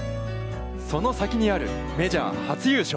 その先にあるメジャー初優勝。